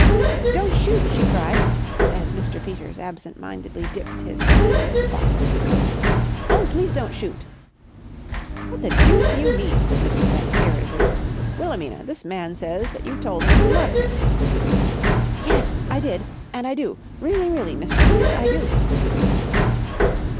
"Don't shoot!" she cried, as Mr. Peters absent mindedly dipped his hand into the pocket of his coat. "Oh, please don't shoot!" "What the deuce do you mean?" said Mr. Bennett irritably. "Wilhelmina, this man says that you told him you loved him." "Yes, I did, and I do. Really, really, Mr. Peters, I do!"